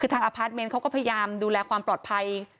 คือทางอพาร์ทเมนต์เขาก็พยายามดูแลความปลอดภัย